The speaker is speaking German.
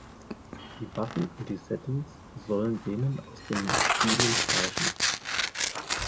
Die Waffen und die Settings sollen denen aus den Spielen gleichen.